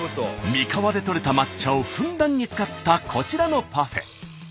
三河でとれた抹茶をふんだんに使ったこちらのパフェ。